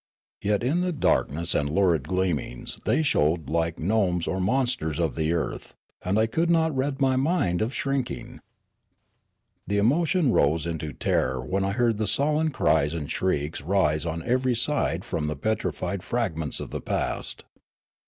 Yet in the darkness and lurid gleamings they showed like gnomes or monsters of the earth, and I could not rid my mind of shrinking. The emotion rose into terror when I heard sullen The Midnight Ascent and FHght 183 cries and shrieks rise on every side from the petrified fragments of the past.